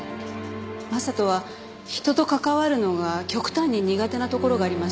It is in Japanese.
将人は人と関わるのが極端に苦手なところがありました。